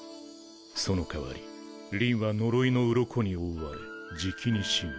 その代わりりんは呪いの鱗に覆われじきに死ぬ。